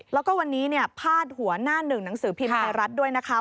แล้วก็วันนี้เนี่ยพาดหัวหน้าหนึ่งหนังสือพิมพ์ไทยรัฐด้วยนะคะ